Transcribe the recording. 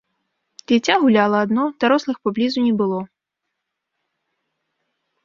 Дзіця гуляла адно, дарослых паблізу не было.